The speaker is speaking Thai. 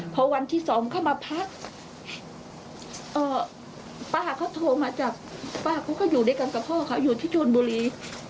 พอวันที่สองเข้ามาพักป้าเขาโทรมาจากป้าเขาก็อยู่ด้วยกันกับพ่อเขาอยู่ที่ชนบุรี